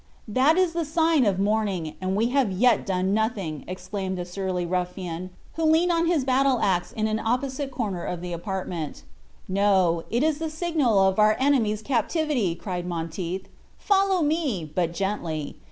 "That is the sign of morning, and we have yet done nothing," exclaimed a surly ruffian, who leaned on his battle ax in an ssopposite corner of the apartment. "No, it is the signal of our enemy's captivity!" cried Monteith. "Follow me, but gently.